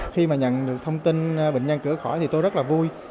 khi mà nhận được thông tin bệnh nhân chữa khỏi thì tôi rất là vui